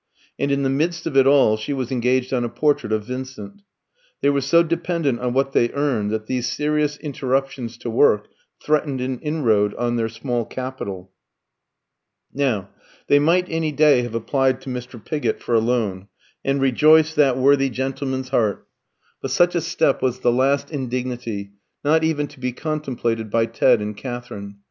And in the midst of it all she was engaged on a portrait of Vincent. They were so dependent on what they earned that these serious interruptions to work threatened an inroad on their small capital. Now, they might any day have applied to Mr. Pigott for a loan, and rejoiced that worthy gentleman's heart; but such a step was the last indignity, not even to be contemplated by Ted and Katherine.